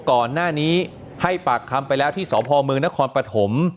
ก่อนหน้านี้ให้ปากคำไปแล้วที่สพมนครปฐม